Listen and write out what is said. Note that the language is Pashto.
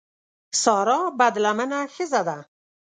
سارا بدلمنه ښځه ده.